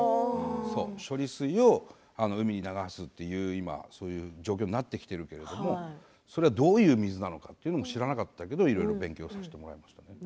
処理水を海に流すという今そういう状況になってきているけれどもどういう水なのかというのを知らなかったけどいろいろ勉強させてもらって。